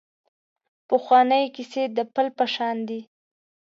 پخوانۍ کیسې د پل په شان دي .